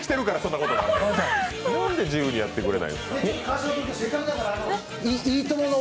なんで自由にやってくれないの。